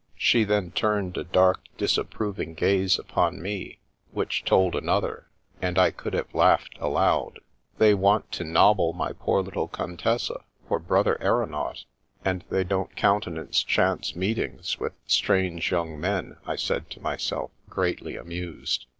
She then turned a dark, disapproving gaze upon me which told an other, and I could have laughed aloud. ''They want to nobble my poor little Contessa for brother aeronaut, and they don't countenance chance meet ings with strange young men," I said to myself, greatly amused.